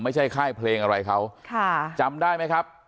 ไม่ใช่ไข้เพลงอะไรของเขาค่ะจำได้ไหมครับ